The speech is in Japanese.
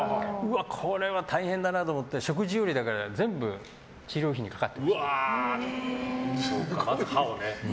これは大変だなと思って食事より全部、治療費にかかっていました。